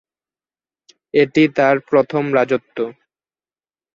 এটি তার প্রথম রাজত্ব।